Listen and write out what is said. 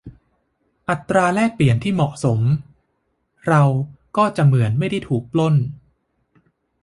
อัตราแลกเปลี่ยนที่เหมาะสมเราก็จะเหมือนไม่ได้ถูกปล้น